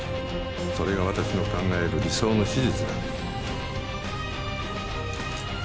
それが私の考える理想の手術だ。